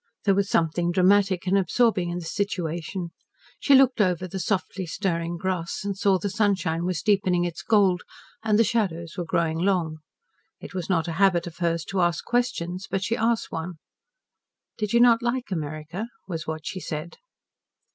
There was something dramatic and absorbing in the situation. She looked over the softly stirring grass and saw the sunshine was deepening its gold and the shadows were growing long. It was not a habit of hers to ask questions, but she asked one. "Did you not like America?" was what she said.